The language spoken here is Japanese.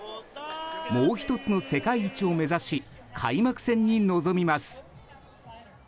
もう１つの世界一を目指し開幕戦に臨みます。